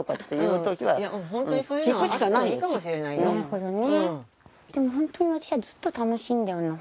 なるほどね。